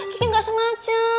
kiki gak sengaja